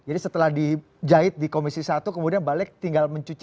jadi setelah dijahit di komisi satu kemudian balek tinggal mencuci bilasnya